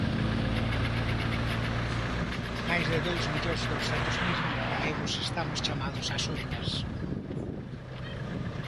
Máis de dous millóns douscentos mil galegos estamos chamados ás urnas.